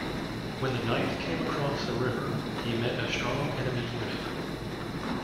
When the knight came across a river he met a strong enemy unit.